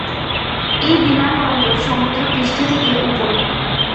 এই বিমানবন্দর সমুদ্রপৃষ্ঠ থেকে উপরে।